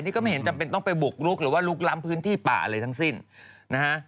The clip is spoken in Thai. นี่ก็ไม่เห็นจำเป็นต้องไปบุกรุกหรือว่าลุกล้ำพื้นที่ป่าอะไรทั้งสิ้นนะฮะ